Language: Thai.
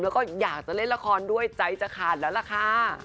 แล้วก็อยากจะเล่นละครด้วยใจจะขาดแล้วล่ะค่ะ